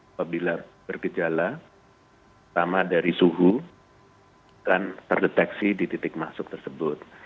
apabila bergejala pertama dari suhu akan terdeteksi di titik masuk tersebut